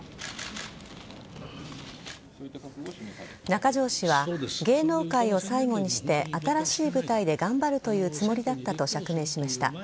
中条氏は、芸能界を最後にして新しい舞台で頑張るというつもりだったと釈明しました。